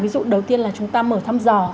ví dụ đầu tiên là chúng ta mở thăm dò